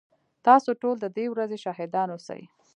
تاسو ټول ددې ورځي شاهدان اوسئ